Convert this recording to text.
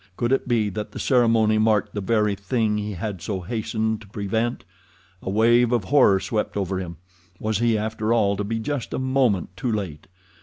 Could it be that the ceremony marked the very thing he had so hastened to prevent? A wave of horror swept over him. Was he, after all, to be just a moment too late?